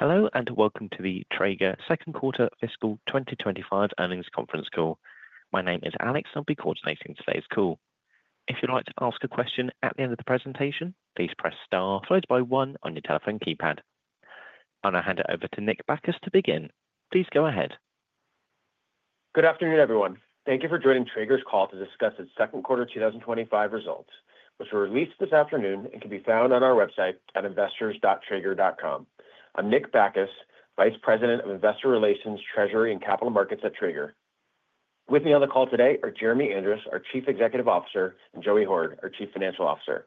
Hello and welcome to the Traeger Second Quarter Fiscal 2025 Earnings Conference Call. My name is Alex, and I'll be coordinating today's call. If you'd like to ask a question at the end of the presentation, please press star followed by one on your telephone keypad. I'll now hand it over to Nick Bacchus to begin. Please go ahead. Good afternoon, everyone. Thank you for joining Traeger's call to discuss its Second Quarter 2025 Results, which were released this afternoon and can be found on our website at investors.traeger.com. I'm Nick Bacchus, Vice President of Investor Relations, Treasury, and Capital Markets at Traeger. With me on the call today are Jeremy Andrus, our Chief Executive Officer, and Joey Hord, our Chief Financial Officer.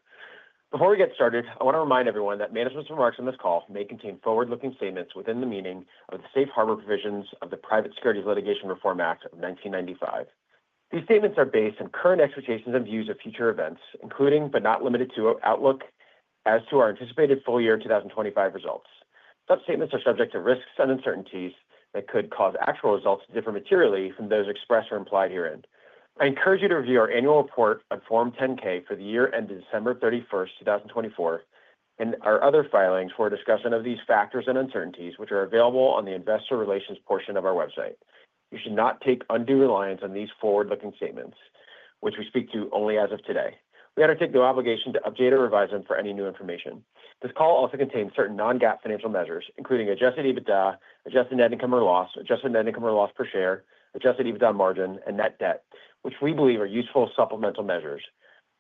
Before we get started, I want to remind everyone that management's remarks on this call may contain forward-looking statements within the meaning of the safe harbor provisions of the Private Securities Litigation Reform Act of 1995. These statements are based on current expectations and views of future events, including but not limited to outlook as to our anticipated full-year 2025 results. Such statements are subject to risks and uncertainties that could cause actual results to differ materially from those expressed or implied herein. I encourage you to review our annual report on Form 10-K for the year ended December 31st, 2024, and our other filings for a discussion of these factors and uncertainties, which are available on the Investor Relations portion of our website. You should not take undue reliance on these forward-looking statements, which we speak to only as of today. We undertake no obligation to update or revise them for any new information. This call also contains certain non-GAAP financial measures, including adjusted EBITDA, adjusted net income or loss, adjusted net income or loss per share, adjusted EBITDA margin, and net debt, which we believe are useful supplemental measures.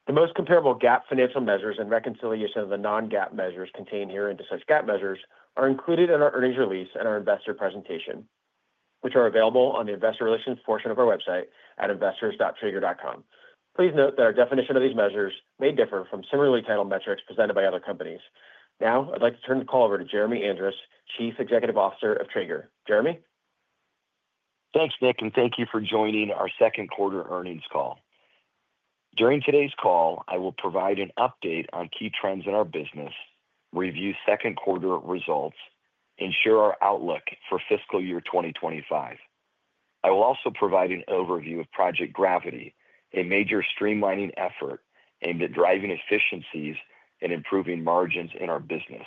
The most comparable GAAP financial measures and reconciliation of the non-GAAP measures contained herein to GAAP measures are included in our earnings release and our investor presentation, which are available on the investor relations portion of our website at investors.traeger.com. Please note that our definition of these measures may differ from similarly titled metrics presented by other companies. Now, I'd like to turn the call over to Jeremy Andrus, Chief Executive Officer of Traeger. Jeremy? Thanks, Nick, and thank you for joining our second quarter earnings call. During today's call, I will provide an update on key trends in our business, review second quarter results, and share our outlook for fiscal year 2025. I will also provide an overview of Project Gravity, a major streamlining effort aimed at driving efficiencies and improving margins in our business.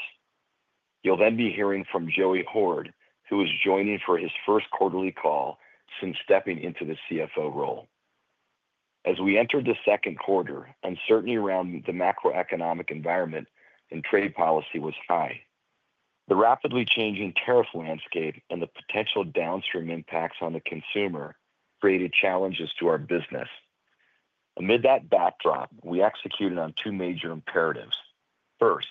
You'll then be hearing from Joey Hord, who is joining for his first quarterly call since stepping into the CFO role. As we entered the second quarter, uncertainty around the macroeconomic environment and trade policy was high. The rapidly changing tariff landscape and the potential downstream impacts on the consumer created challenges to our business. Amid that backdrop, we executed on two major imperatives: first,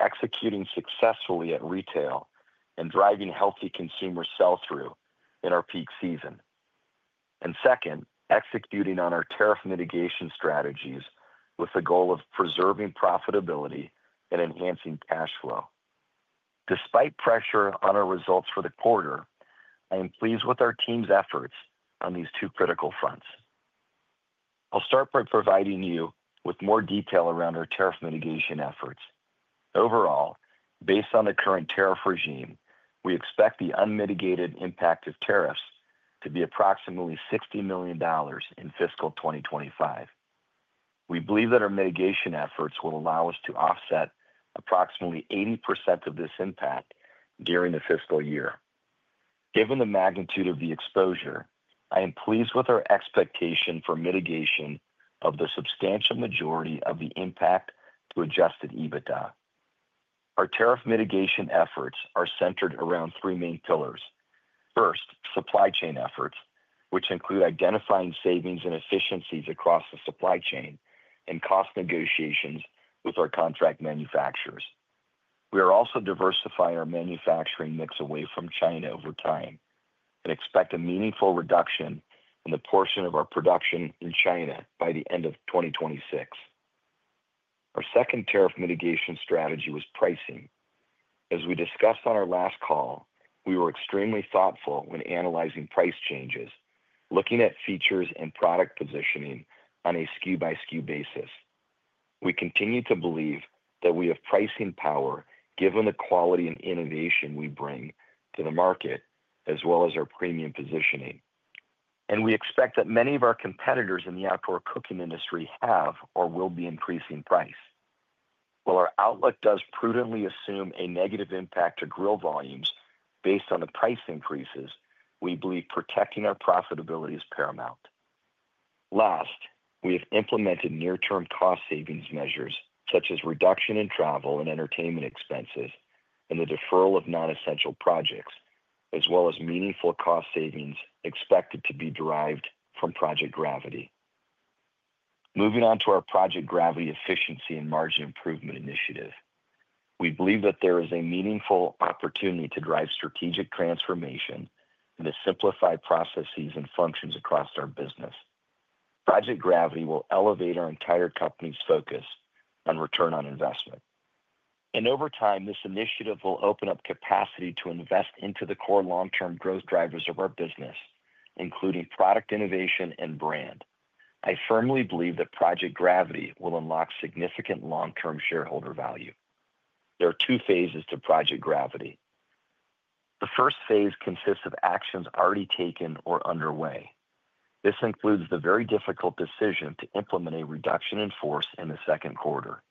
executing successfully at retail and driving healthy consumer sell-through in our peak season, and second, executing on our tariff mitigation strategies with the goal of preserving profitability and enhancing cash flow. Despite pressure on our results for the quarter, I am pleased with our team's efforts on these two critical fronts. I'll start by providing you with more detail around our tariff mitigation efforts. Overall, based on the current tariff regime, we expect the unmitigated impact of tariffs to be approximately $60 million in fiscal 2025. We believe that our mitigation efforts will allow us to offset approximately 80% of this impact during the fiscal year. Given the magnitude of the exposure, I am pleased with our expectation for mitigation of the substantial majority of the impact to adjusted EBITDA. Our tariff mitigation efforts are centered around three main pillars. First, supply chain efforts, which include identifying savings and efficiencies across the supply chain and cost negotiations with our contract manufacturers. We are also diversifying our manufacturing mix away from China over time and expect a meaningful reduction in the portion of our production in China by the end of 2026. Our second tariff mitigation strategy was pricing. As we discussed on our last call, we were extremely thoughtful when analyzing price changes, looking at features and product positioning on a SKU-by-SKU basis. We continue to believe that we have pricing power given the quality and innovation we bring to the market, as well as our premium positioning. We expect that many of our competitors in the outdoor cooking industry have or will be increasing price. While our outlook does prudently assume a negative impact to grill volumes based on the price increases, we believe protecting our profitability is paramount. Last, we have implemented near-term cost savings measures such as reduction in travel and entertainment expenses and the deferral of non-essential projects, as well as meaningful cost savings expected to be derived from Project Gravity. Moving on to our Project Gravity efficiency and margin improvement initiative, we believe that there is a meaningful opportunity to drive strategic transformation to simplify processes and functions across our business. Project Gravity will elevate our entire company's focus on return on investment. Over time, this initiative will open up capacity to invest into the core long-term growth drivers of our business, including product innovation and brand. I firmly believe that Project Gravity will unlock significant long-term shareholder value. There are two phases to Project Gravity. The first phase consists of actions already taken or underway. This includes the very difficult decision to implement a reduction in force in the second quarter.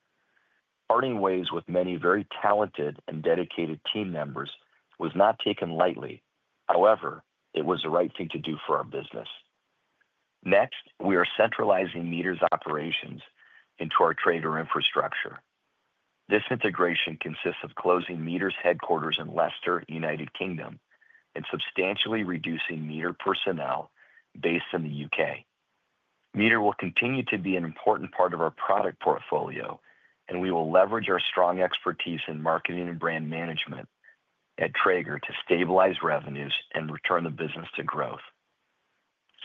Parting ways with many very talented and dedicated team members was not taken lightly, however, it was the right thing to do for our business. Next, we are centralizing MEATER's operations into our Traeger infrastructure. This integration consists of closing MEATER's headquarters in Leicester, U.K., and substantially reducing MEATER personnel based in the U.K. MEATER will continue to be an important part of our product portfolio, and we will leverage our strong expertise in marketing and brand management at Traeger to stabilize revenues and return the business to growth.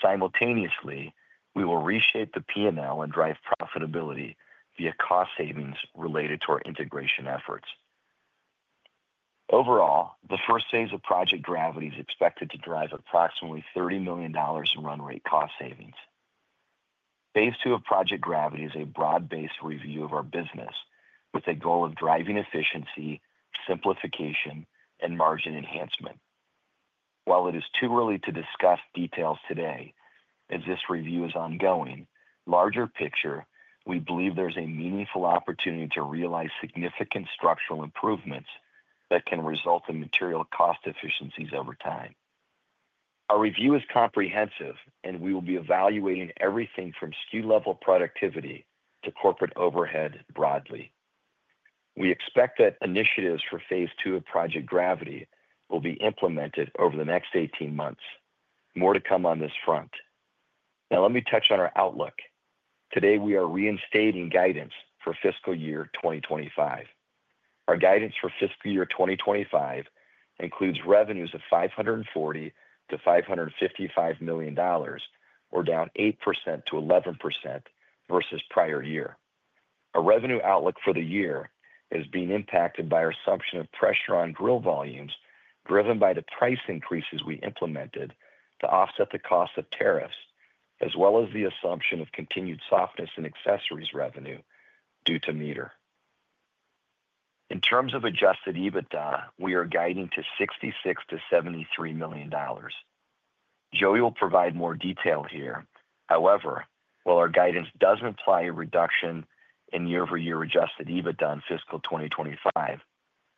Simultaneously, we will reshape the P&L and drive profitability via cost savings related to our integration efforts. Overall, the first phase of Project Gravity is expected to drive approximately $30 million in run-rate cost savings. Phase II of Project Gravity is a broad-based review of our business with a goal of driving efficiency, simplification, and margin enhancement. While it is too early to discuss details today, as this review is ongoing, the larger picture, we believe there's a meaningful opportunity to realize significant structural improvements that can result in material cost efficiencies over time. Our review is comprehensive, and we will be evaluating everything from SKU-level productivity to corporate overhead broadly. We expect that initiatives for phase II of Project Gravity will be implemented over the next 18 months. More to come on this front. Now, let me touch on our outlook. Today, we are reinstating guidance for fiscal year 2025. Our guidance for fiscal year 2025 includes revenues of $540 million-$555 million, or down 8% to 11% versus prior year. Our revenue outlook for the year is being impacted by our assumption of pressure on grill volumes, driven by the price increases we implemented to offset the cost of tariffs, as well as the assumption of continued softness in accessories revenue due to MEATER. In terms of adjusted EBITDA, we are guiding to $66 million-$73 million. Joey will provide more detail here. However, while our guidance does imply a reduction in year-over-year adjusted EBITDA in fiscal 2025,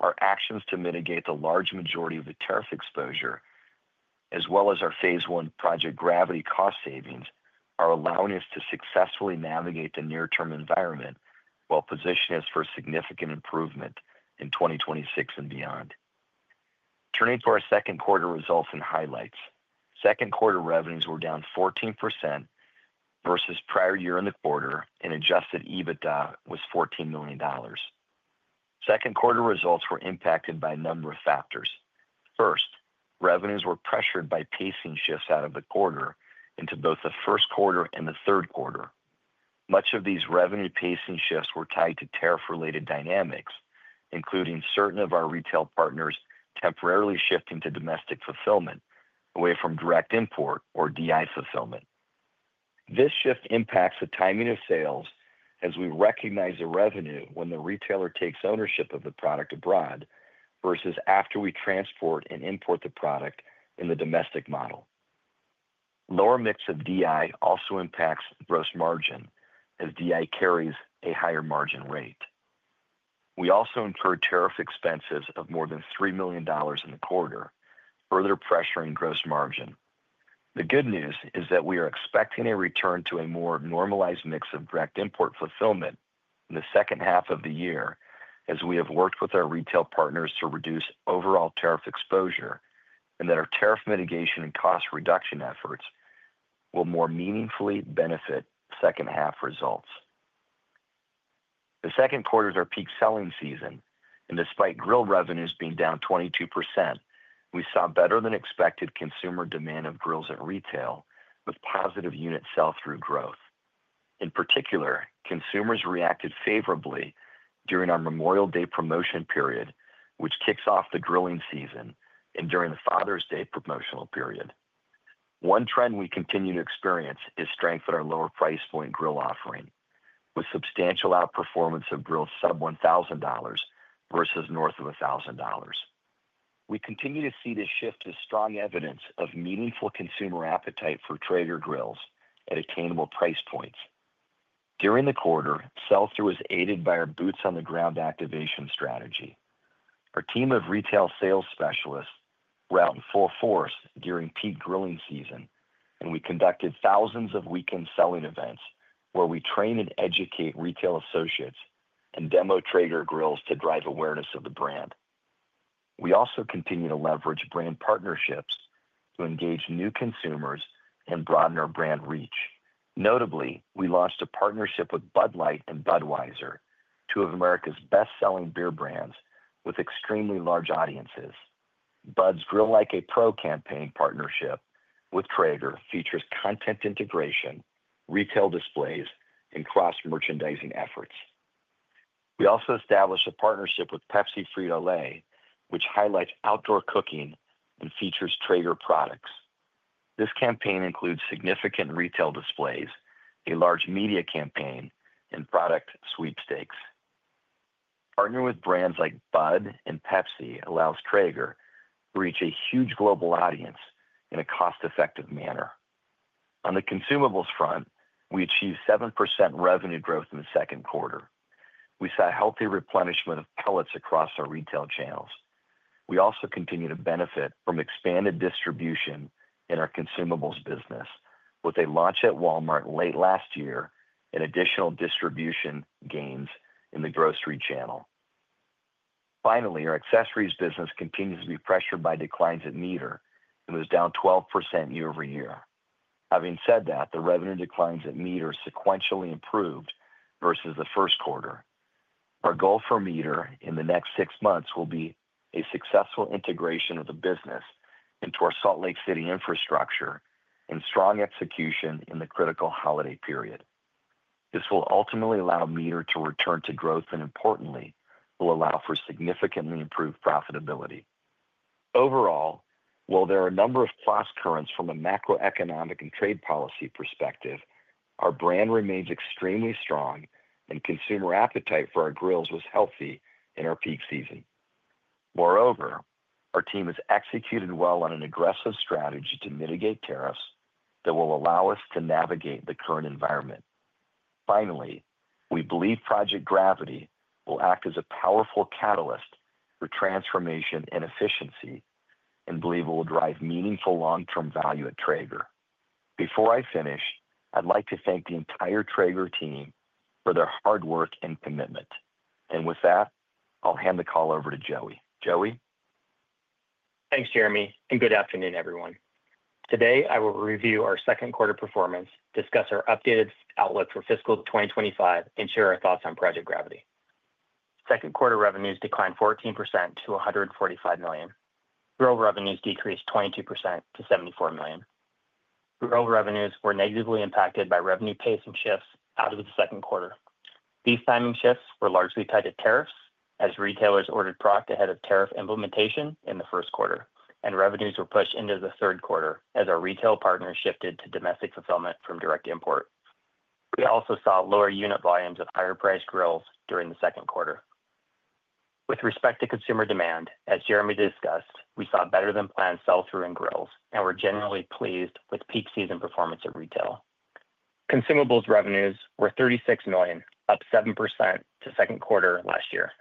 our actions to mitigate the large majority of the tariff exposure, as well as our phase I Project Gravity cost savings, are allowing us to successfully navigate the near-term environment while positioning us for significant improvement in 2026 and beyond. Turning to our second quarter results and highlights, second quarter revenues were down 14% versus prior year in the quarter, and adjusted EBITDA was $14 million. Second quarter results were impacted by a number of factors. First, revenues were pressured by pacing shifts out of the quarter into both the first quarter and the third quarter. Much of these revenue pacing shifts were tied to tariff-related dynamics, including certain of our retail partners temporarily shifting to domestic fulfillment away from direct import or DI fulfillment. This shift impacts the timing of sales as we recognize the revenue when the retailer takes ownership of the product abroad versus after we transport and import the product in the domestic model. Lower mix of DI also impacts gross margin as DI carries a higher margin rate. We also incurred tariff expenses of more than $3 million in the quarter, further pressuring gross margin. The good news is that we are expecting a return to a more normalized mix of direct import fulfillment in the second half of the year as we have worked with our retail partners to reduce overall tariff exposure and that our tariff mitigation and cost reduction efforts will more meaningfully benefit second half results. The second quarter is our peak selling season, and despite grill revenues being down 22%, we saw better than expected consumer demand of grills at retail with positive unit sell-through growth. In particular, consumers reacted favorably during our Memorial Day promotion period, which kicks off the grilling season, and during the Father's Day promotional period. One trend we continue to experience is strength in our lower price point grill offering with substantial outperformance of grills sub-$1,000 versus north of $1,000. We continue to see this shift as strong evidence of meaningful consumer appetite for Traeger grills at attainable price points. During the quarter, sell-through is aided by our boots-on-the-ground activation strategy. Our team of retail sales specialists were out in full force during peak grilling season, and we conducted thousands of weekend selling events where we train and educate retail associates and demo Traeger grills to drive awareness of the brand. We also continue to leverage brand partnerships to engage new consumers and broaden our brand reach. Notably, we launched a partnership with Bud Light and Budweiser, two of America's best-selling beer brands with extremely large audiences. Bud's Grill Like a Pro campaign partnership with Traeger features content integration, retail displays, and cross-merchandising efforts. We also established a partnership with Pepsi/Frito Lay, which highlights outdoor cooking and features Traeger products. This campaign includes significant retail displays, a large media campaign, and product sweepstakes. Partnering with brands like Bud and Pepsi allows Traeger to reach a huge global audience in a cost-effective manner. On the consumables front, we achieved 7% revenue growth in the second quarter. We saw healthy replenishment of pellets across our retail channels. We also continue to benefit from expanded distribution in our consumables business, with a launch at Walmart late last year and additional distribution gains in the grocery channel. Finally, our accessories business continues to be pressured by declines at MEATER, and it was down 12% year-over-year. Having said that, the revenue declines at MEATER sequentially improved versus the first quarter. Our goal for MEATER in the next six months will be a successful integration of the business into our Salt Lake City infrastructure and strong execution in the critical holiday period. This will ultimately allow MEATER to return to growth and, importantly, will allow for significantly improved profitability. Overall, while there are a number of cost currents from a macroeconomic and trade policy perspective, our brand remains extremely strong, and consumer appetite for our grills was healthy in our peak season. Moreover, our team has executed well on an aggressive strategy to mitigate tariffs that will allow us to navigate the current environment. Finally, we believe Project Gravity will act as a powerful catalyst for transformation and efficiency and believe it will drive meaningful long-term value at Traeger. Before I finish, I'd like to thank the entire Traeger team for their hard work and commitment. With that, I'll hand the call over to Joey. Joey? Thanks, Jeremy, and good afternoon, everyone. Today, I will review our second quarter performance, discuss our updated outlook for fiscal 2025, and share our thoughts on Project Gravity. Second quarter revenues declined 14% to $145 million. Grill revenues decreased 22% to $74 million. Grill revenues were negatively impacted by revenue pacing shifts out of the second quarter. These timing shifts were largely tied to tariffs, as retailers ordered product ahead of tariff implementation in the first quarter, and revenues were pushed into the third quarter as our retail partners shifted to domestic fulfillment from direct import. We also saw lower unit volumes of higher priced grills during the second quarter. With respect to consumer demand, as Jeremy discussed, we saw better than planned sell-through in grills and were generally pleased with peak season performance of retail. Consumables revenues were $36 million, up 7% to second quarter last year.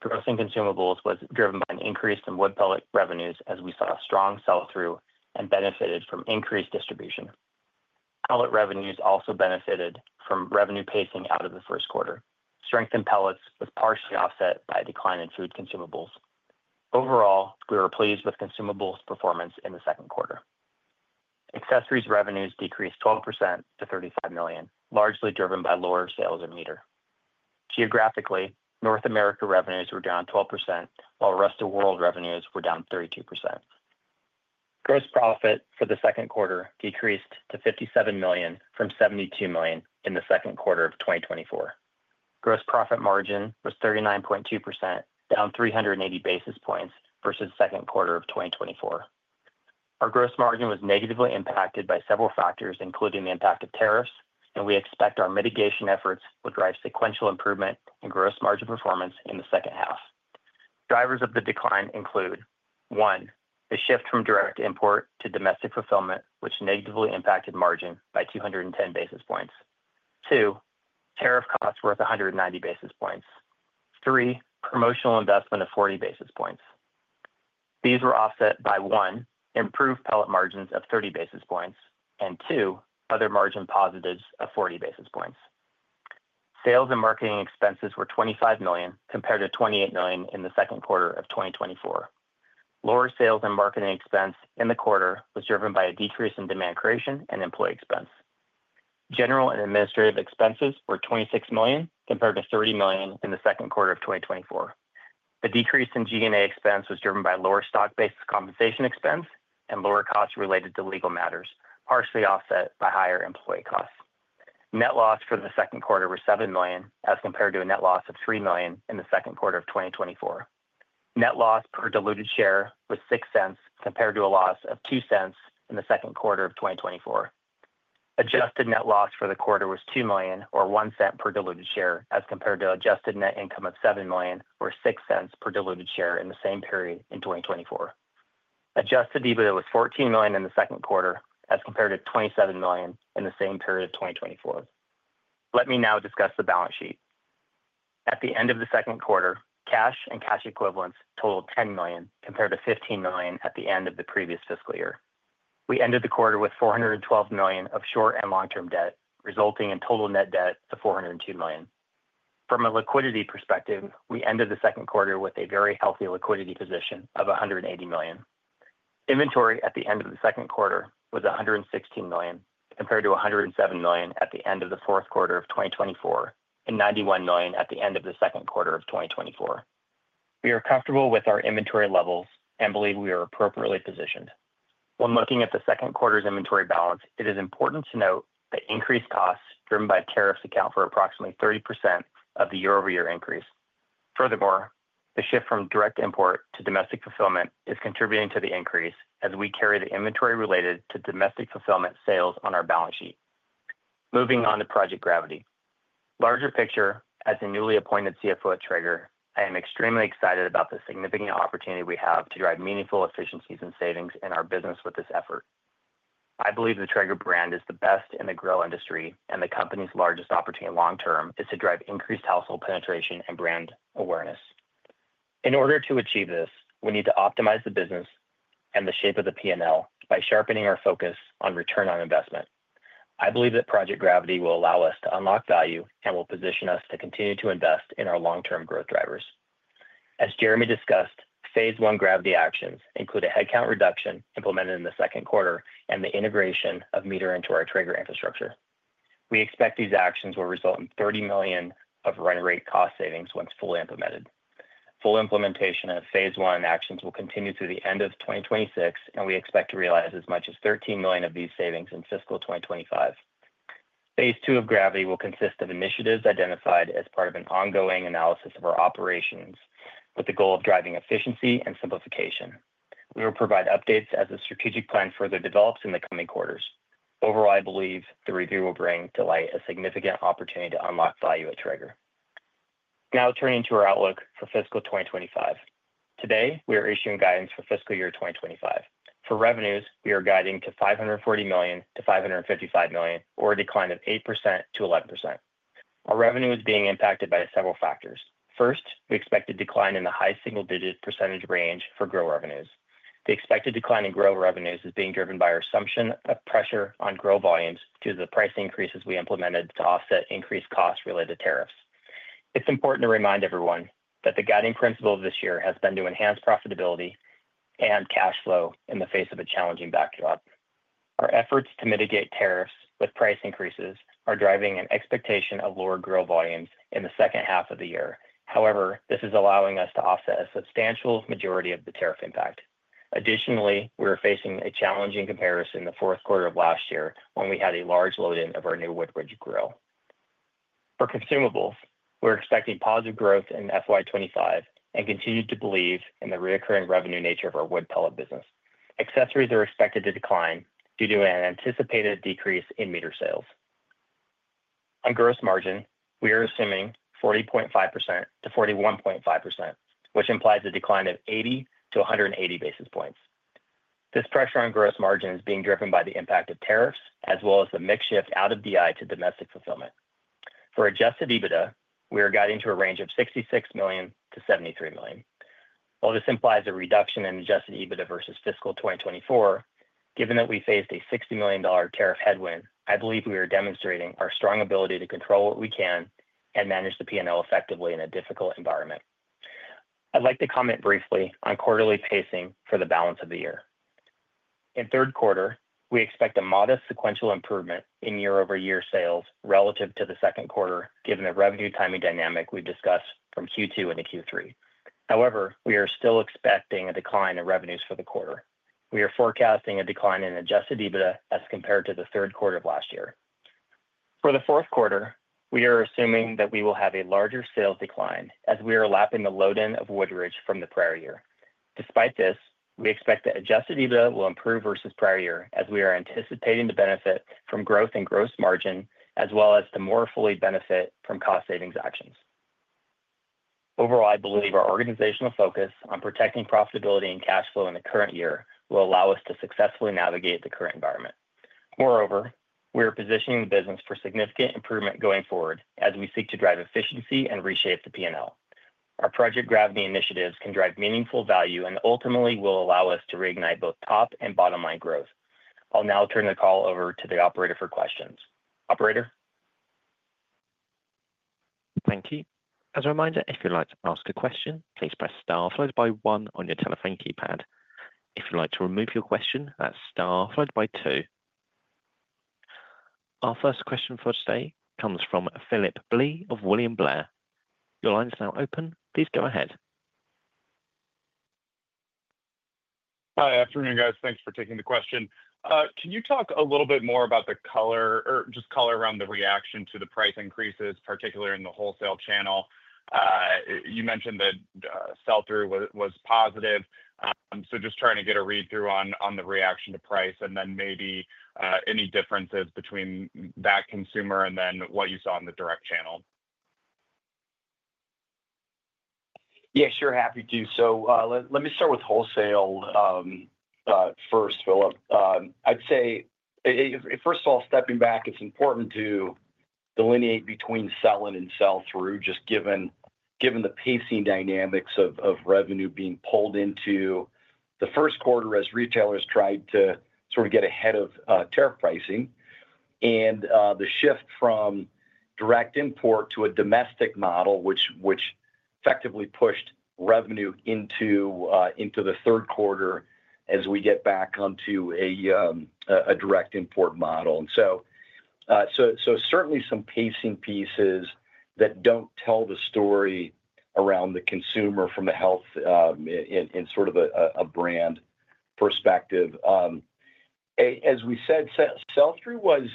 Grills and consumables were driven by an increase in wood pellet revenues as we saw a strong sell-through and benefited from increased distribution. Pellet revenues also benefited from revenue pacing out of the first quarter, strength in pellets was partially offset by a decline in food consumables. Overall, we were pleased with consumables performance in the second quarter. Accessories revenues decreased 12% to $35 million, largely driven by lower sales in MEATER. Geographically, North America revenues were down 12%, while the rest of the world revenues were down 32%. Gross profit for the second quarter decreased to $57 million from $72 million in the second quarter of 2024. Gross profit margin was 39.2%, down 380 basis points versus the second quarter of 2024. Our gross margin was negatively impacted by several factors, including the impact of tariffs, and we expect our mitigation efforts will drive sequential improvement in gross margin performance in the second half. Drivers of the decline include: one, the shift from direct import to domestic fulfillment, which negatively impacted margin by 210 basis points; two, tariff costs worth 190 basis points; three, promotional investment of 40 basis points. These were offset by one, improved pellet margins of 30 basis points, and two, other margin positives of 40 basis points. Sales and marketing expenses were $25 million compared to $28 million in the second quarter of 2024. Lower sales and marketing expense in the quarter was driven by a decrease in demand creation and employee expense. General and administrative expenses were $26 million compared to $30 million in the second quarter of 2024. A decrease in G&A expense was driven by lower stock-based compensation expense and lower costs related to legal matters, partially offset by higher employee costs. Net loss for the second quarter was $7 million as compared to a net loss of $3 million in the second quarter of 2024. Net loss per diluted share was $0.06 compared to a loss of $0.02 in the second quarter of 2024. Adjusted net loss for the quarter was $2 million or $0.01 per diluted share as compared to an adjusted net income of $7 million or $0.06 per diluted share in the same period in 2024. Adjusted EBITDA was $14 million in the second quarter as compared to $27 million in the same period of 2024. Let me now discuss the balance sheet. At the end of the second quarter, cash and cash equivalents totaled $10 million compared to $15 million at the end of the previous fiscal year. We ended the quarter with $412 million of short and long-term debt, resulting in total net debt to $402 million. From a liquidity perspective, we ended the second quarter with a very healthy liquidity position of $180 million. Inventory at the end of the second quarter was $116 million compared to $107 million at the end of the fourth quarter of 2024 and $91 million at the end of the second quarter of 2024. We are comfortable with our inventory levels and believe we are appropriately positioned. When looking at the second quarter's inventory balance, it is important to note that increased costs driven by tariffs account for approximately 30% of the year-over-year increase. Furthermore, the shift from direct import to domestic fulfillment is contributing to the increase as we carry the inventory related to domestic fulfillment sales on our balance sheet. Moving on to Project Gravity. Larger picture, as a newly appointed CFO at Traeger, I am extremely excited about the significant opportunity we have to drive meaningful efficiencies and savings in our business with this effort. I believe the Traeger brand is the best in the grill industry, and the company's largest opportunity long-term is to drive increased household penetration and brand awareness. In order to achieve this, we need to optimize the business and the shape of the P&L by sharpening our focus on return on investment. I believe that Project Gravity will allow us to unlock value and will position us to continue to invest in our long-term growth drivers. As Jeremy discussed, phase I Gravity actions include a headcount reduction implemented in the second quarter and the integration of MEATER into our Traeger infrastructure. We expect these actions will result in $30 million of run-rate cost savings once fully implemented. Full implementation of phase I actions will continue through the end of 2026, and we expect to realize as much as $13 million of these savings in fiscal 2025. Phase II of Gravity will consist of initiatives identified as part of an ongoing analysis of our operations with the goal of driving efficiency and simplification. We will provide updates as the strategic plan further develops in the coming quarters. Overall, I believe the review will bring to light a significant opportunity to unlock value at Traeger. Now turning to our outlook for fiscal 2025. Today, we are issuing guidance for fiscal year 2025. For revenues, we are guiding to $540 million-$555 million, or a decline of 8%-11%. Our revenue is being impacted by several factors. First, we expect a decline in the high single-digit percentage range for grill revenues. The expected decline in grill revenues is being driven by our assumption of pressure on grill volumes due to the price increases we implemented to offset increased costs related to tariffs. It's important to remind everyone that the guiding principle of this year has been to enhance profitability and cash flow in the face of a challenging backdrop. Our efforts to mitigate tariffs with price increases are driving an expectation of lower grill volumes in the second half of the year. However, this is allowing us to offset a substantial majority of the tariff impact. Additionally, we are facing a challenging comparison in the fourth quarter of last year when we had a large load-in of our new Woodridge grill. For consumables, we're expecting positive growth in fiscal 2025 and continue to believe in the recurring revenue nature of our wood pellet business. Accessories are expected to decline due to an anticipated decrease in MEATER sales. On gross margin, we are assuming 40.5%-41.5%, which implies a decline of 80 basis points-180 basis points. This pressure on gross margin is being driven by the impact of tariffs, as well as the mix shift out of direct import to domestic fulfillment. For adjusted EBITDA, we are guiding to a range of $66 million-$73 million. While this implies a reduction in adjusted EBITDA versus fiscal 2024, given that we faced a $60 million tariff headwind, I believe we are demonstrating our strong ability to control what we can and manage the P&L effectively in a difficult environment. I'd like to comment briefly on quarterly pacing for the balance of the year. In third quarter, we expect a modest sequential improvement in year-over-year sales relative to the second quarter, given the revenue timing dynamic we've discussed from Q2 into Q3. However, we are still expecting a decline in revenues for the quarter. We are forecasting a decline in adjusted EBITDA as compared to the third quarter of last year. For the fourth quarter, we are assuming that we will have a larger sales decline as we are lapping the load-in of Woodridge from the prior year. Despite this, we expect the adjusted EBITDA will improve versus prior year as we are anticipating the benefit from growth in gross margin, as well as to more fully benefit from cost savings actions. Overall, I believe our organizational focus on protecting profitability and cash flow in the current year will allow us to successfully navigate the current environment. Moreover, we are positioning the business for significant improvement going forward as we seek to drive efficiency and reshape the P&L. Our Project Gravity initiatives can drive meaningful value and ultimately will allow us to reignite both top and bottom line growth. I'll now turn the call over to the operator for questions. Operator? Thank you. As a reminder, if you'd like to ask a question, please press star followed by one on your telephone keypad. If you'd like to remove your question, that's star followed by two. Our first question for today comes from Phillip Blee of William Blair. Your line is now open. Please go ahead. Hi, afternoon, guys. Thanks for taking the question. Can you talk a little bit more about the color or just color around the reaction to the price increases, particularly in the wholesale channel? You mentioned that sell-through was positive. I am just trying to get a read through on the reaction to price and then maybe any differences between that consumer and then what you saw in the direct channel. Yeah, sure, happy to. Let me start with wholesale first, Phillip. I'd say, first of all, stepping back, it's important to delineate between selling and sell-through, just given the pacing dynamics of revenue being pulled into the first quarter as retailers tried to sort of get ahead of tariff pricing. The shift from direct import to a domestic model effectively pushed revenue into the third quarter as we get back onto a direct import model. Certainly, some pacing pieces don't tell the story around the consumer from a health and sort of a brand perspective. As we said, sell-through was,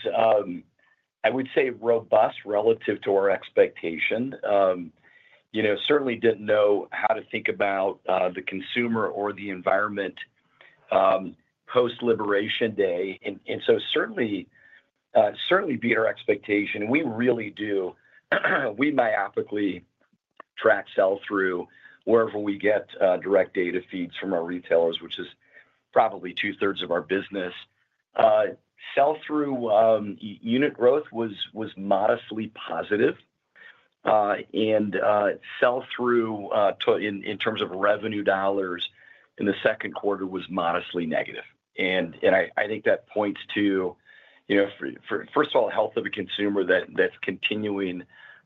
I would say, robust relative to our expectation. Certainly didn't know how to think about the consumer or the environment post-Liberation Day. Certainly beat our expectation. We really do, we myopically track sell-through wherever we get direct data feeds from our retailers, which is probably 2/3 of our business. Sell-through unit growth was modestly positive, and sell-through in terms of revenue dollars in the second quarter was modestly negative. I think that points to, first of all, the health of a consumer that's continuing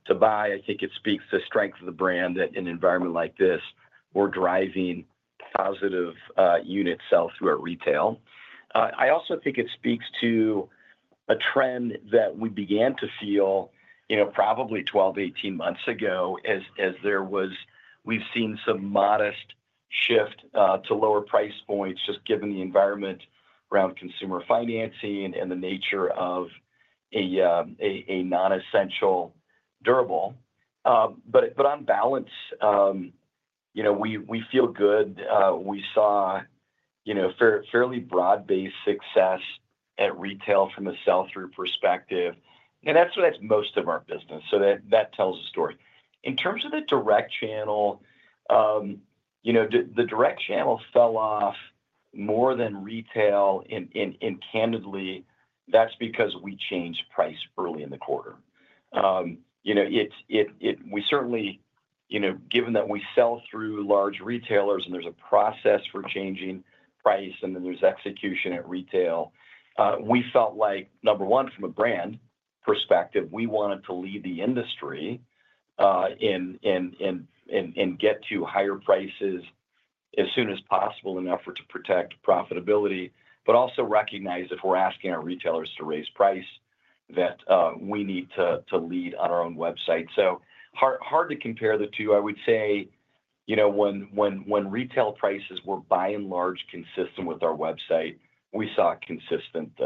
to buy. I think it speaks to the strength of the brand that in an environment like this, we're driving positive unit sell-through at retail. I also think it speaks to a trend that we began to feel probably 12-18 months ago as we've seen some modest shift to lower price points just given the environment around consumer financing and the nature of a non-essential durable. On balance, we feel good. We saw fairly broad-based success at retail from the sell-through perspective, and that's most of our business. That tells a story. In terms of the direct channel, the direct channel fell off more than retail. Candidly, that's because we changed price early in the quarter. Given that we sell through large retailers and there's a process for changing price and then there's execution at retail, we felt like, number one, from a brand perspective, we wanted to lead the industry and get to higher prices as soon as possible in an effort to protect profitability, but also recognize if we're asking our retailers to raise price that we need to lead on our own website. Hard to compare the two. I would say when retail prices were by and large consistent with our website, we saw a consistent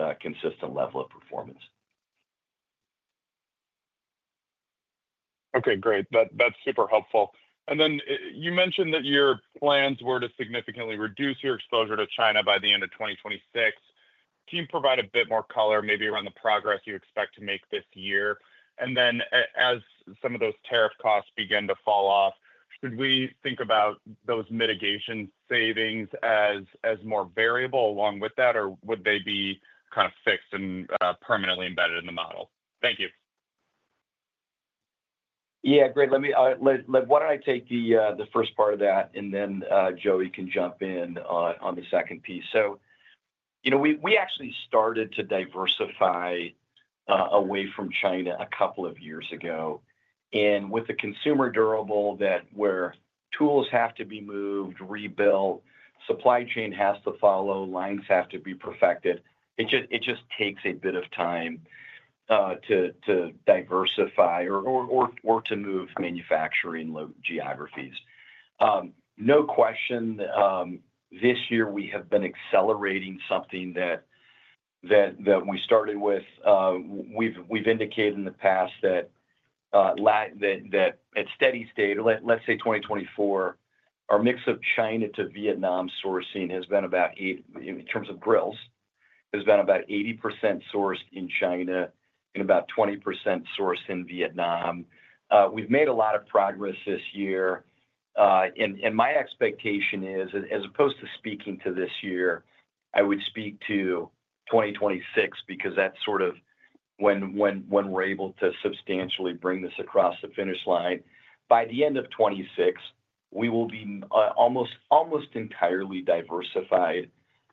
level of performance. Okay, great. That's super helpful. You mentioned that your plans were to significantly reduce your exposure to China by the end of 2026. Can you provide a bit more color, maybe around the progress you expect to make this year? As some of those tariff costs begin to fall off, should we think about those mitigation savings as more variable along with that, or would they be kind of fixed and permanently embedded in the model? Thank you. Yeah, great. Let me take the first part of that and then Joey can jump in on the second piece. We actually started to diversify away from China a couple of years ago. With a consumer durable where tools have to be moved, rebuilt, supply chain has to follow, lines have to be perfected, it just takes a bit of time to diversify or to move manufacturing geographies. No question, this year we have been accelerating something that we started with. We've indicated in the past that at steady state, let's say 2024, our mix of China to Vietnam sourcing has been about, in terms of grills, about 80% sourced in China and about 20% sourced in Vietnam. We've made a lot of progress this year. My expectation is, as opposed to speaking to this year, I would speak to 2026 because that's when we're able to substantially bring this across the finish line. By the end of 2026, we will be almost entirely diversified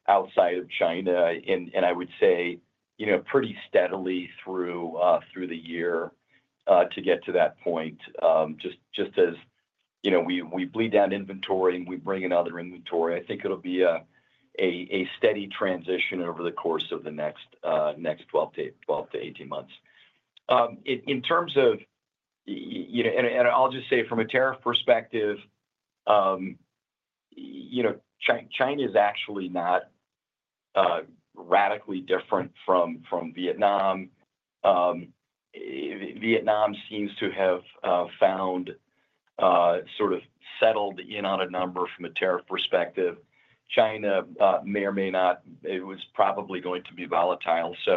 outside of China. I would say pretty steadily through the year to get to that point. Just as we bleed down inventory and we bring in other inventory, I think it'll be a steady transition over the course of the next 12 -18 months. From a tariff perspective, China is actually not radically different from Vietnam. Vietnam seems to have found a sort of settled in on a number from a tariff perspective. China may or may not, it is probably going to be volatile. We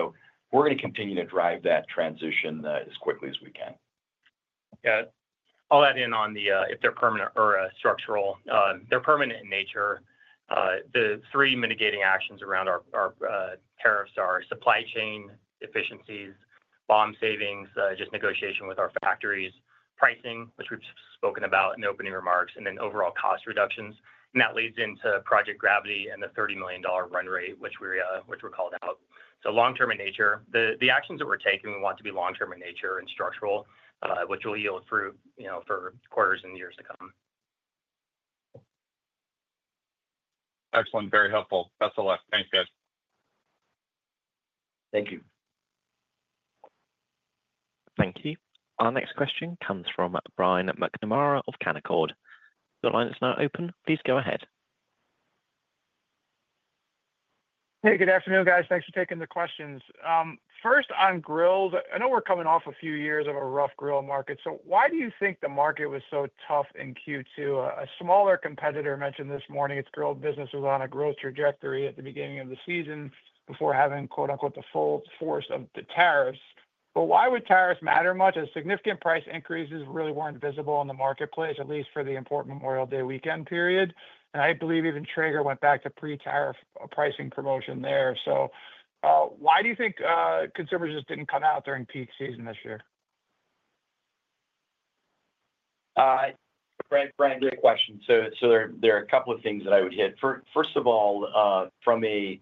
are going to continue to drive that transition as quickly as we can. I'll add in on the, if they're permanent or structural, they're permanent in nature. The three mitigating actions around our tariffs are supply chain efficiencies, BOM savings, just negotiation with our factories, pricing, which we've spoken about in opening remarks, and then overall cost reductions. That leads into Project Gravity and the $30 million run-rate, which we're called out. Long-term in nature, the actions that we're taking, we want to be long-term in nature and structural, which will yield fruit for quarters and years to come. Excellent. Very helpful. That's a lot. Thanks, guys. Thank you. Thank you. Our next question comes from Brian McNamara of Canaccord. The line is now open. Please go ahead. Hey, good afternoon, guys. Thanks for taking the questions. First, on grills, I know we're coming off a few years of a rough grill market. Why do you think the market was so tough in Q2? A smaller competitor mentioned this morning its grill business was on a growth trajectory at the beginning of the season before having, quote unquote, the full force of the tariffs. Why would tariffs matter much as significant price increases really weren't visible on the marketplace, at least for the important Memorial Day weekend period? I believe even Traeger went back to pre-tariff pricing promotion there. Why do you think consumers just didn't come out during peak season this year? Frank, great question. There are a couple of things that I would hit. First of all, from a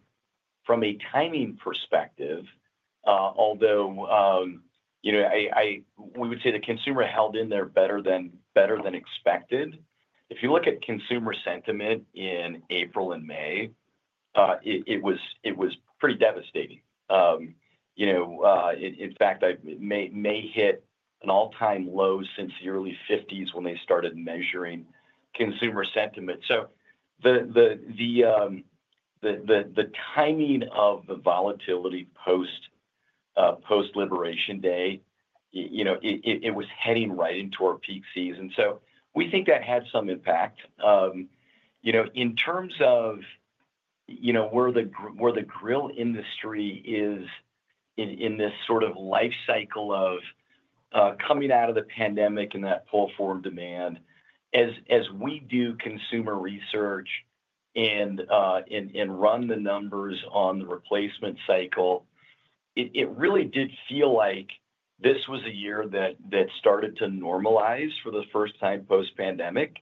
timing perspective, although we would say the consumer held in there better than expected, if you look at consumer sentiment in April and May, it was pretty devastating. In fact, it may hit an all-time low since the early 1950s when they started measuring consumer sentiment. The timing of the volatility post-Liberation Day was heading right into our peak season. We think that had some impact. In terms of where the grill industry is in this sort of life cycle of coming out of the pandemic and that full-form demand, as we do consumer research and run the numbers on the replacement cycle, it really did feel like this was a year that started to normalize for the first time post-pandemic.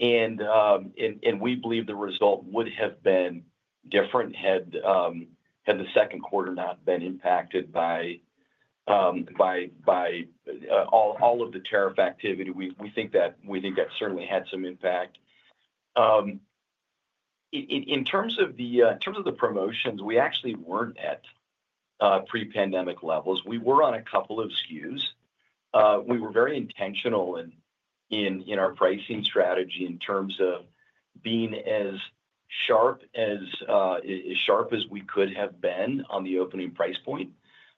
We believe the result would have been different had the second quarter not been impacted by all of the tariff activity. We think that certainly had some impact. In terms of the promotions, we actually weren't at pre-pandemic levels. We were on a couple of SKUs. We were very intentional in our pricing strategy in terms of being as sharp as we could have been on the opening price point.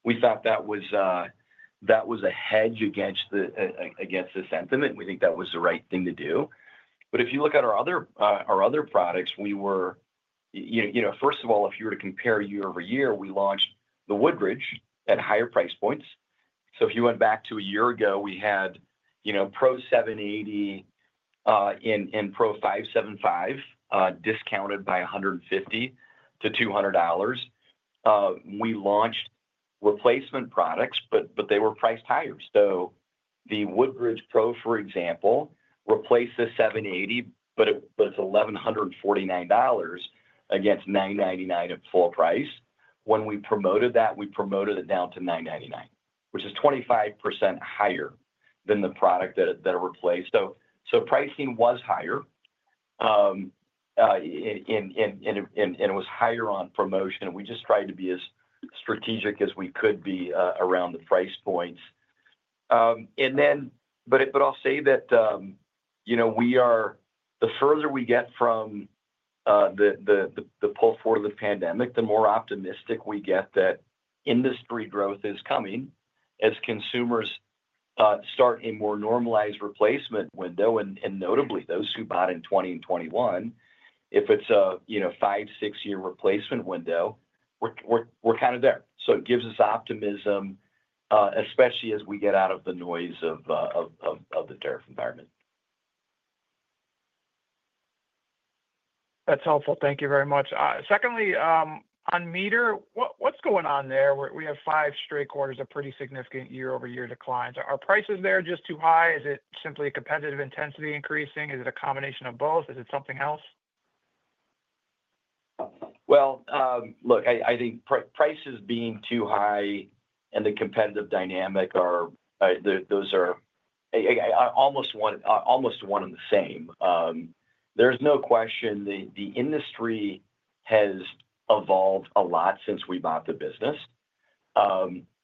We thought that was a hedge against the sentiment. We think that was the right thing to do. If you look at our other products, first of all, if you were to compare year-over-year, we launched the Woodridge at higher price points. If you went back to a year ago, we had Pro 780 and Pro 575 discounted by $150-$200. We launched replacement products, but they were priced higher. The Woodridge Pro, for example, replaced the Pro 780, but it's $1,149 against $999 at full price. When we promoted that, we promoted it down to $999, which is 25% higher than the product that it replaced. Pricing was higher, and it was higher on promotion. We just tried to be as strategic as we could be around the price points. I'll say that the further we get from the pull forward of the pandemic, the more optimistic we get that industry growth is coming as consumers start a more normalized replacement window. Notably, those who bought in 2020 and 2021, if it's a five-year, six-year replacement window, we're kind of there. It gives us optimism, especially as we get out of the noise of the tariff environment. That's helpful. Thank you very much. Secondly, on MEATER, what's going on there? We have five straight quarters of pretty significant year-over-year declines. Are prices there just too high? Is it simply a competitive intensity increasing? Is it a combination of both? Is it something else? I think prices being too high and the competitive dynamic are, those are almost one and the same. There's no question the industry has evolved a lot since we bought the business.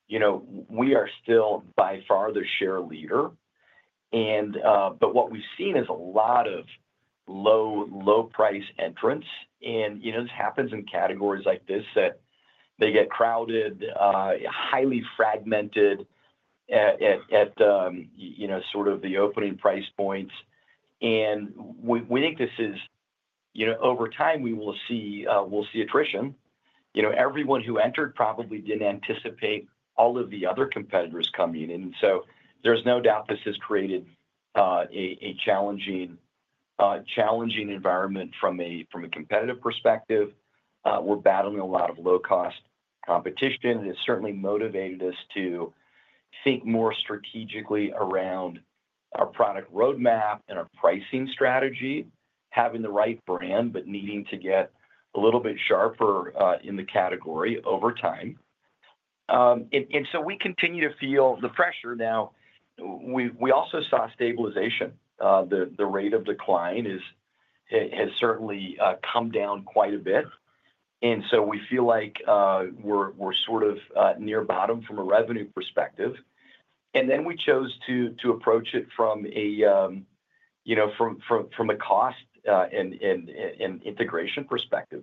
You know, we are still by far the share leader. What we've seen is a lot of low-price entrants. You know, this happens in categories like this that they get crowded, highly fragmented at sort of the opening price points. We think this is, you know, over time, we will see attrition. You know, everyone who entered probably didn't anticipate all of the other competitors coming in. There's no doubt this has created a challenging environment from a competitive perspective. We're battling a lot of low-cost competition. It has certainly motivated us to think more strategically around our product roadmap and our pricing strategy, having the right brand, but needing to get a little bit sharper in the category over time. We continue to feel the pressure. We also saw stabilization. The rate of decline has certainly come down quite a bit. We feel like we're sort of near bottom from a revenue perspective. We chose to approach it from a cost and integration perspective.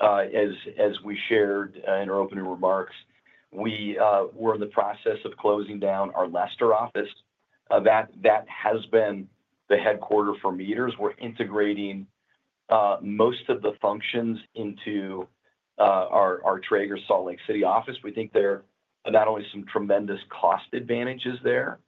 As we shared in our opening remarks, we were in the process of closing down our Leicester, U.K. office. That has been the headquarter for MEATER. We're integrating most of the functions into our Traeger Salt Lake City office. We think there are not only some tremendous cost advantages there,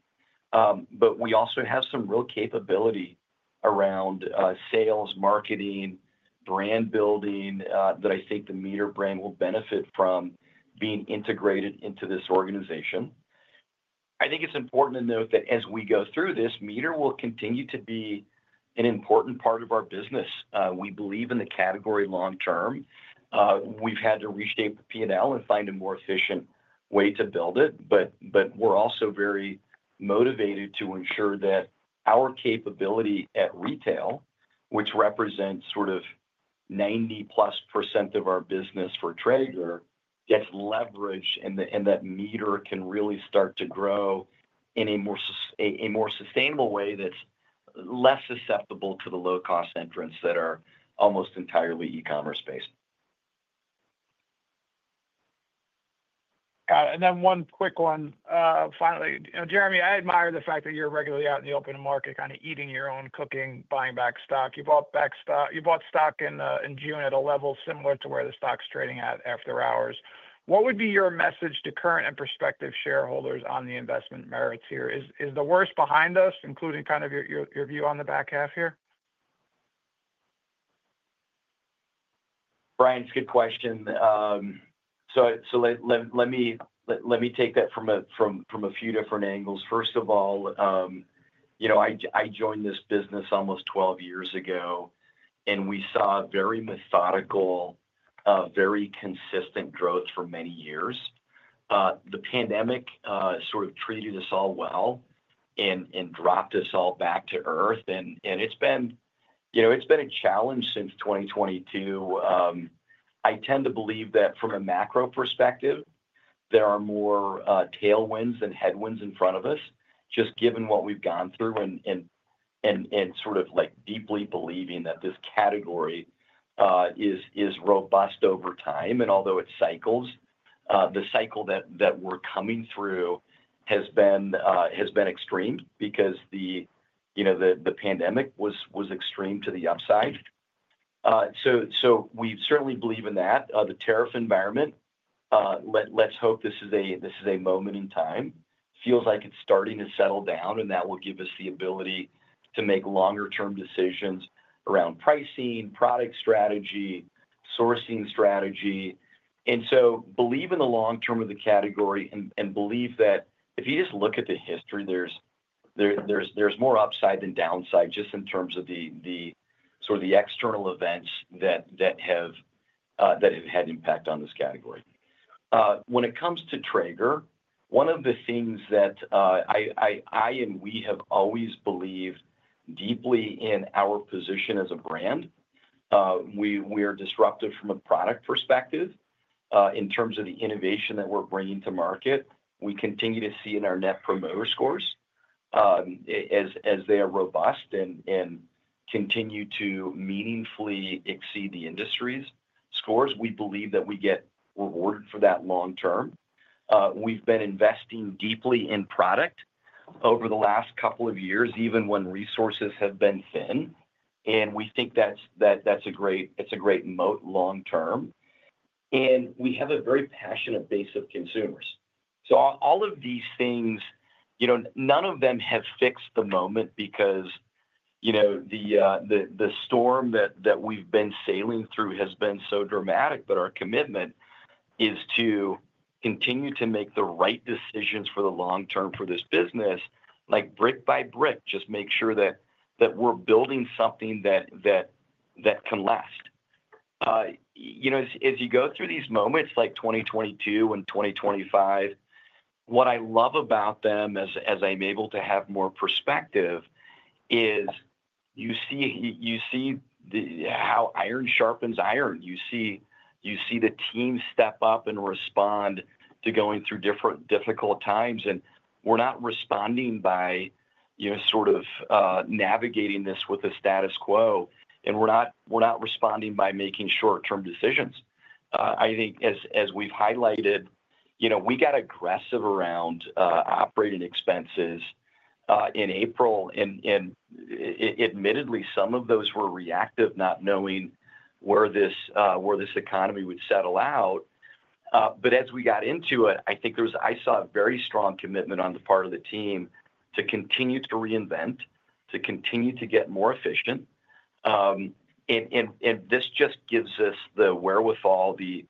but we also have some real capability around sales, marketing, brand building that I think the MEATER brand will benefit from being integrated into this organization. I think it's important to note that as we go through this, MEATER will continue to be an important part of our business. We believe in the category long term. We've had to reshape the P&L and find a more efficient way to build it. We're also very motivated to ensure that our capability at retail, which represents sort of 90%+ of our business for Traeger, gets leveraged and that MEATER can really start to grow in a more sustainable way that's less susceptible to the low-cost entrants that are almost entirely e-commerce-based. Got it. One quick one. Finally, Jeremy, I admire the fact that you're regularly out in the open market, kind of eating your own cooking, buying back stock. You bought stock in June at a level similar to where the stock's trading at after hours. What would be your message to current and prospective shareholders on the investment merits here? Is the worst behind us, including kind of your view on the back half here? Brian, it's a good question. Let me take that from a few different angles. First of all, I joined this business almost 12 years ago, and we saw very methodical, very consistent growth for many years. The pandemic sort of treated us all well and dropped us all back to earth. It's been a challenge since 2022. I tend to believe that from a macro perspective, there are more tailwinds than headwinds in front of us, just given what we've gone through and deeply believing that this category is robust over time. Although it cycles, the cycle that we're coming through has been extreme because the pandemic was extreme to the upside. We certainly believe in that. The tariff environment, let's hope this is a moment in time. It feels like it's starting to settle down, and that will give us the ability to make longer-term decisions around pricing, product strategy, sourcing strategy. I believe in the long term of the category and believe that if you just look at the history, there's more upside than downside just in terms of the external events that have had impact on this category. When it comes to Traeger, one of the things that I and we have always believed deeply in is our position as a brand. We are disruptive from a product perspective. In terms of the innovation that we're bringing to market, we continue to see in our net promoter scores, as they are robust and continue to meaningfully exceed the industry's scores. We believe that we get rewarded for that long term. We've been investing deeply in product over the last couple of years, even when resources have been thin. We think that's a great moat long term. We have a very passionate base of consumers. All of these things, none of them have fixed the moment because the storm that we've been sailing through has been so dramatic. Our commitment is to continue to make the right decisions for the long term for this business, like brick by brick, just make sure that we're building something that can last. As you go through these moments like 2022 and 2025, what I love about them as I'm able to have more perspective is you see how iron sharpens iron. You see the team step up and respond to going through different difficult times. We're not responding by navigating this with the status quo. We're not responding by making short-term decisions. I think as we've highlighted, we got aggressive around operating expenses in April. Admittedly, some of those were reactive, not knowing where this economy would settle out. As we got into it, I saw a very strong commitment on the part of the team to continue to reinvent, to continue to get more efficient. This just gives us the wherewithal, the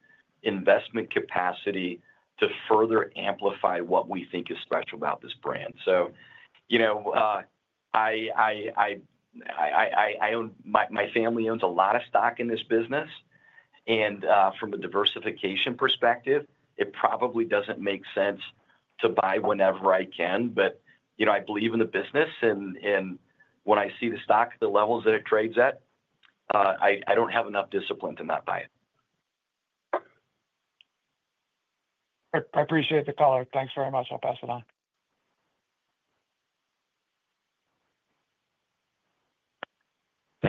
investment capacity to further amplify what we think is special about this brand. My family owns a lot of stock in this business. From a diversification perspective, it probably doesn't make sense to buy whenever I can. I believe in the business, and when I see the stock, the levels that it trades at, I don't have enough discipline to not buy it. I appreciate the color. Thanks very much. I'll pass it on.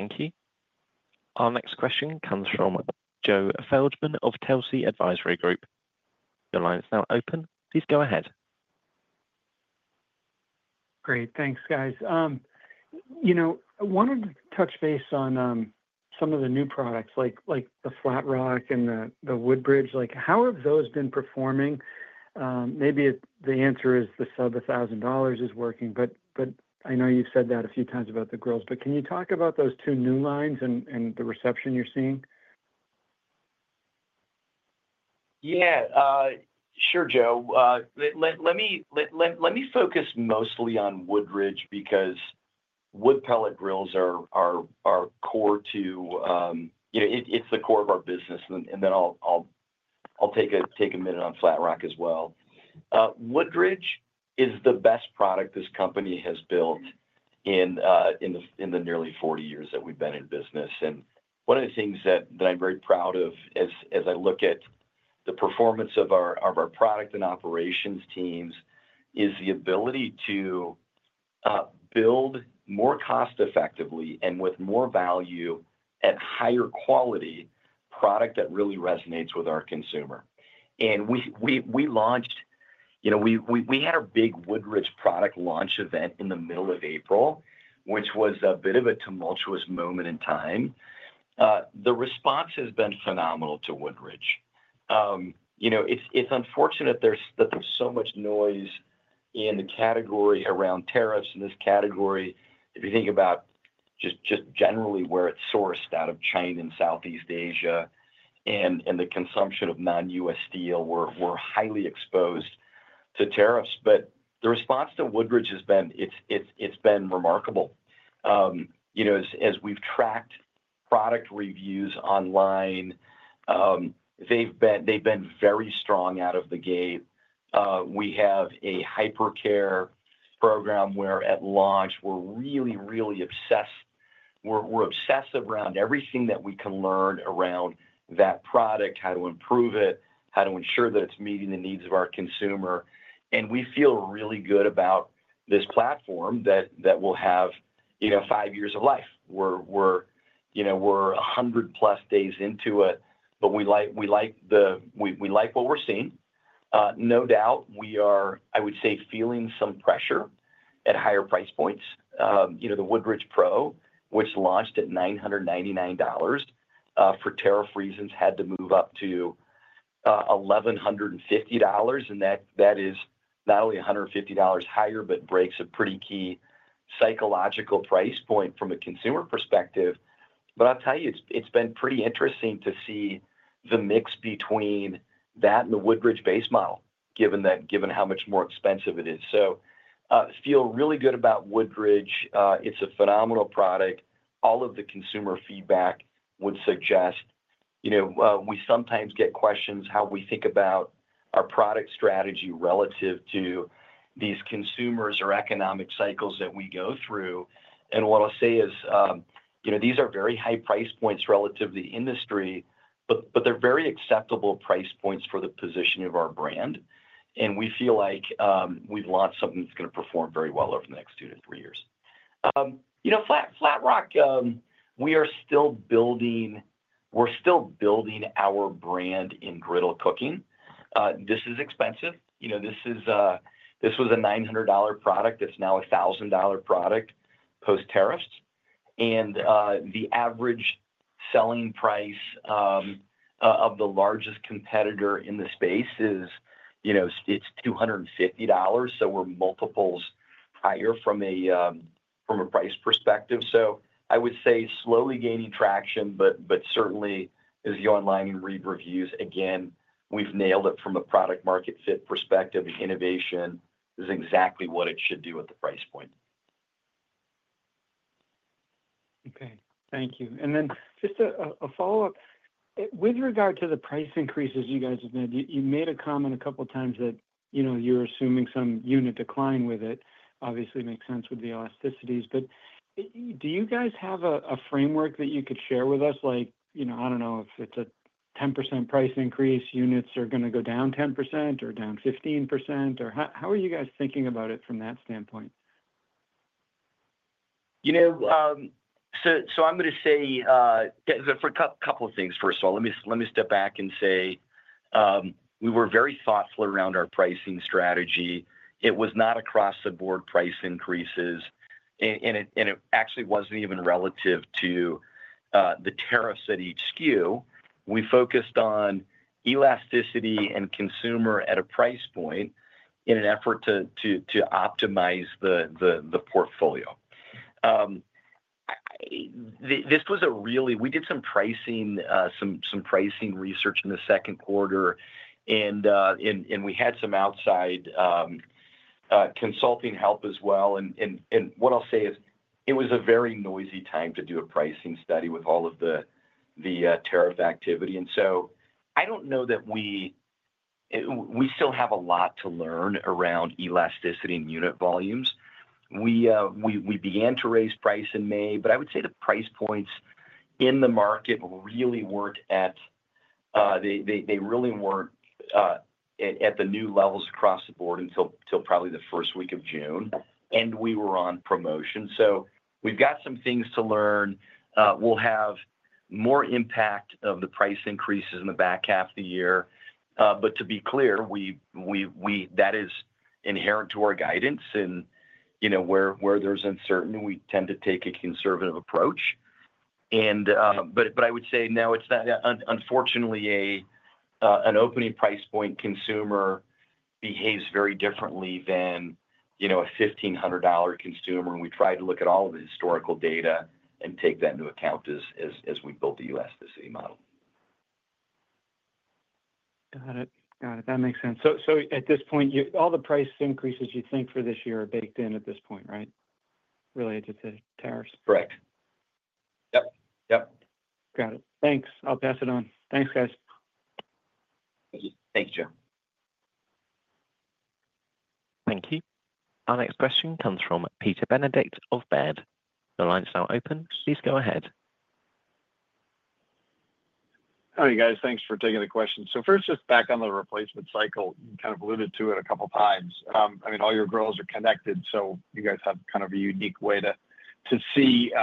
Thank you. Our next question comes from Joe Feldman of Telsey Advisory Group. Your line is now open. Please go ahead. Great. Thanks, guys. I wanted to touch base on some of the new products like the Flatrock and the Woodridge. How have those been performing? Maybe the answer is the sub-$1,000 is working, but I know you've said that a few times about the grills. Can you talk about those two new lines and the reception you're seeing? Yeah, sure, Joe. Let me focus mostly on Woodridge because wood pellet grills are core to, you know, it's the core of our business. I'll take a minute on Flatrock as well. Woodridge is the best product this company has built in the nearly 40 years that we've been in business. One of the things that I'm very proud of as I look at the performance of our product and operations teams is the ability to build more cost-effectively and with more value at higher quality product that really resonates with our consumer. We launched, you know, we had our big Woodridge product launch event in the middle of April, which was a bit of a tumultuous moment in time. The response has been phenomenal to Woodridge. It's unfortunate that there's so much noise in the category around tariffs in this category. If you think about just generally where it's sourced out of China and Southeast Asia, and the consumption of non-U.S. steel, we're highly exposed to tariffs. The response to Woodridge has been, it's been remarkable. As we've tracked product reviews online, they've been very strong out of the gate. We have a hypercare program where at launch, we're really, really obsessed. We're obsessed around everything that we can learn around that product, how to improve it, how to ensure that it's meeting the needs of our consumer. We feel really good about this platform that will have, you know, five years of life. We're, you know, we're 100+ days into it, but we like the, we like what we're seeing. No doubt, we are, I would say, feeling some pressure at higher price points. The Woodridge Pro, which launched at $999 for tariff reasons, had to move up to $1,150. That is not only $150 higher, but breaks a pretty key psychological price point from a consumer perspective. I'll tell you, it's been pretty interesting to see the mix between that and the Woodridge-based model, given how much more expensive it is. I feel really good about Woodridge. It's a phenomenal product. All of the consumer feedback would suggest, you know, we sometimes get questions how we think about our product strategy relative to these consumers or economic cycles that we go through. What I'll say is, you know, these are very high price points relative to the industry, but they're very acceptable price points for the positioning of our brand. We feel like we've launched something that's going to perform very well over the next two-three years. Flatrock, we are still building, we're still building our brand in griddle cooking. This is expensive. This was a $900 product. It's now a $1,000 product post-tariffs. The average selling price of the largest competitor in the space is $250. We are multiples higher from a price perspective. I would say slowly gaining traction, but certainly, as you online and read reviews, again, we've nailed it from a product-market fit perspective. Innovation is exactly what it should do at the price point. Okay, thank you. Just a follow-up. With regard to the price increases you guys have made, you made a comment a couple of times that, you know, you're assuming some unit decline with it. Obviously, it makes sense with the elasticities. Do you guys have a framework that you could share with us? Like, you know, I don't know if it's a 10% price increase, units are going to go down 10% or down 15%, or how are you guys thinking about it from that standpoint? I'm going to say, for a couple of things, first of all, let me step back and say we were very thoughtful around our pricing strategy. It was not across-the-board price increases. It actually wasn't even relative to the tariffs at each SKU. We focused on elasticity and consumer at a price point in an effort to optimize the portfolio. This was a really, we did some pricing, some pricing research in the second quarter. We had some outside consulting help as well. What I'll say is it was a very noisy time to do a pricing study with all of the tariff activity. I don't know that we, we still have a lot to learn around elasticity and unit volumes. We began to raise price in May, but I would say the price points in the market really weren't at, they really weren't at the new levels across the board until probably the first week of June. We were on promotion. We've got some things to learn. We'll have more impact of the price increases in the back half of the year. To be clear, that is inherent to our guidance. Where there's uncertainty, we tend to take a conservative approach. I would say now it's not, unfortunately, an opening price point consumer behaves very differently than, you know, a $1,500 consumer. We try to look at all of the historical data and take that into account as we build the elasticity model. Got it. That makes sense. At this point, all the price increases you think for this year are baked in at this point, right? Related to tariffs. Correct. Yep, yep. Got it. Thanks. I'll pass it on. Thanks, guys. Thanks, Joe. Thank you. Our next question comes from Peter Benedict of Baird. Your line's now open. Please go ahead. Hi guys, thanks for taking the question. Just back on the replacement cycle, you kind of alluded to it a couple of times. I mean, all your grills are connected, so you guys have kind of a unique way to see,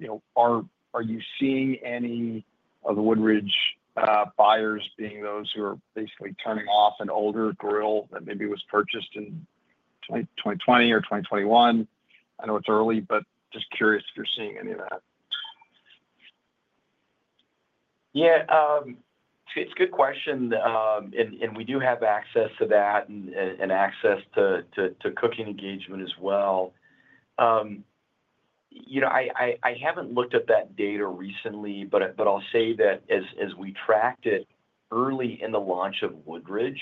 you know, are you seeing any of the Woodridge buyers being those who are basically turning off an older grill that maybe was purchased in 2020 or 2021? I know it's early, but just curious if you're seeing any of that. Yeah, it's a good question. We do have access to that and access to cooking engagement as well. I haven't looked at that data recently, but I'll say that as we tracked it early in the launch of Woodridge,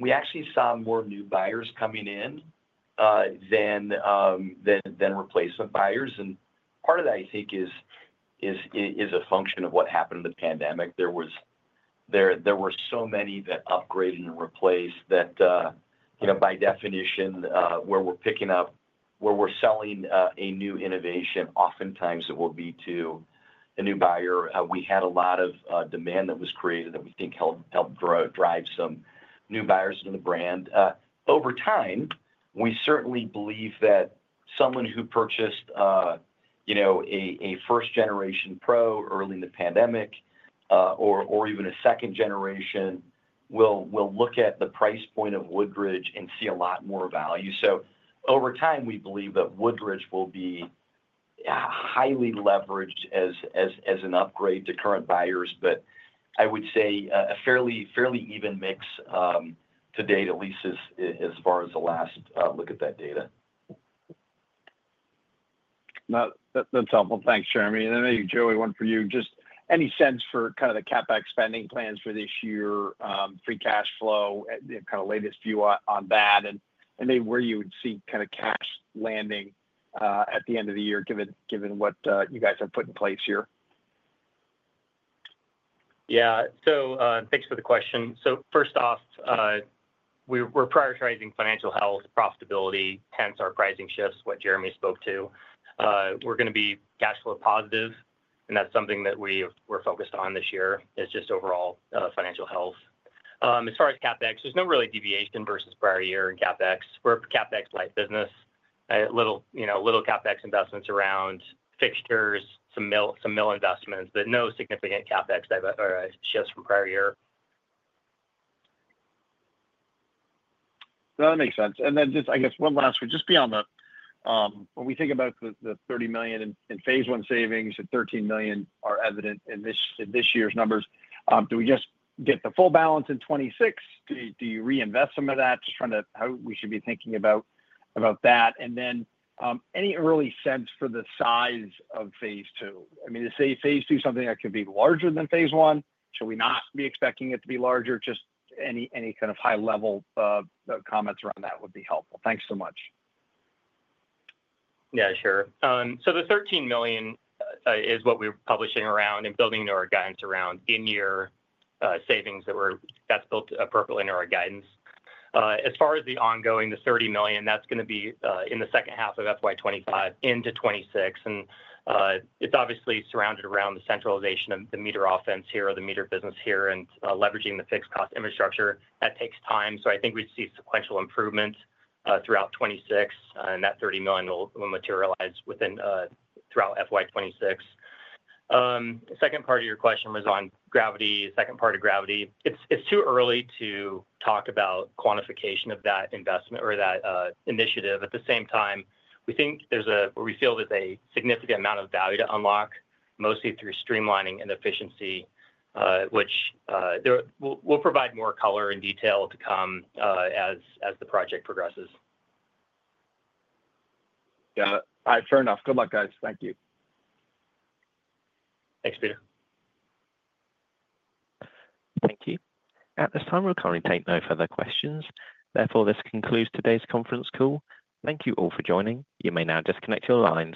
we actually saw more new buyers coming in than replacement buyers. Part of that, I think, is a function of what happened in the pandemic. There were so many that upgraded and replaced that, by definition, where we're picking up, where we're selling a new innovation, oftentimes it will be to a new buyer. We had a lot of demand that was created that we think helped drive some new buyers into the brand. Over time, we certainly believe that someone who purchased a first-generation Pro early in the pandemic or even a second generation will look at the price point of Woodridge and see a lot more value. Over time, we believe that Woodridge will be highly leveraged as an upgrade to current buyers. I would say a fairly even mix to date, at least as far as the last look at that data. That's helpful. Thanks, Jeremy. Maybe, Joey, one for you. Just any sense for the kind of CapEx spending plans for this year, free cash flow, the latest view on that, and maybe where you would see cash landing at the end of the year, given what you guys have put in place here? Yeah, thanks for the question. First off, we're prioritizing financial health, profitability, hence our pricing shifts, what Jeremy spoke to. We're going to be cash flow positive, and that's something that we're focused on this year, is just overall financial health. As far as CapEx, there's no real deviation versus prior year in CapEx. We're a CapEx light business. A little, you know, little CapEx investments around fixtures, some mill investments, but no significant CapEx shifts from prior year. That makes sense. Just, I guess, one last one. Just beyond that, when we think about the $30 million in phase I savings, you said $13 million are evident in this year's numbers. Do we just get the full balance in 2026? Do you reinvest some of that? Just trying to understand how we should be thinking about that. Any early sense for the size of phase II? Is phase II something that could be larger than phase I? Should we not be expecting it to be larger? Any kind of high-level comments around that would be helpful. Thanks so much. Yeah, sure. The $13 million is what we're publishing around and building our guidance around in-year savings that's built appropriately into our guidance. As far as the ongoing, the $30 million, that's going to be in the second half of fiscal 2025 into 2026. It's obviously surrounded around the centralization of the MEATER business here and leveraging the fixed cost infrastructure. That takes time. I think we see sequential improvement throughout 2026, and that $30 million will materialize throughout fiscal 2026. The second part of your question was on gravity, the second part of gravity. It's too early to talk about quantification of that investment or that initiative. At the same time, we think there's a, or we feel that a significant amount of value to unlock, mostly through streamlining and efficiency, which we'll provide more color and detail to come as the project progresses. Yeah, fair enough. Good luck, guys. Thank you. Thanks, Peter. Thank you. At this time, we'll take no further questions. Therefore, this concludes today's conference call. Thank you all for joining. You may now disconnect your lines.